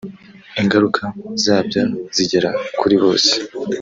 ingaruka zabyo zigera kuri bose